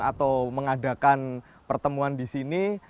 atau mengadakan pertemuan di sini